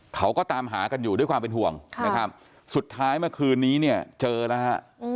เขาก็ตามหากันอยู่ด้วยความเป็นห่วงสุดท้ายเมื่อคืนนี้เจอแล้ว